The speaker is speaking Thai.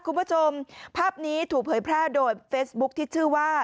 คุณผู้ชมภาพนี้ถูกเผยแพร่โดยเฟซบุ๊คที่ชื่อว่า